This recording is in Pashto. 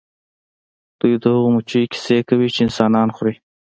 دوی د هغو مچیو کیسې کوي چې انسانان خوري